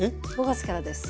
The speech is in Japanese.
５月からです。